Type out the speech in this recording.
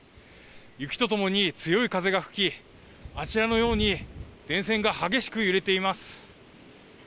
雪とともに強い風が吹き、あちらのように電線が激しく揺れています。